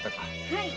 はい。